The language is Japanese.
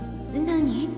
何？